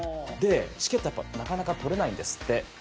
チケットがなかなか取れないんですって。